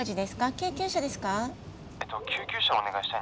救急車ですか？